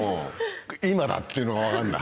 「今だ！」っていうのが分かるんだ。